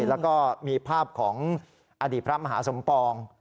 แล้วก็มีภาพของอดีตพระมหาสมปอง